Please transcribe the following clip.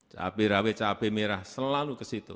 cabai rawit cabai merah selalu ke situ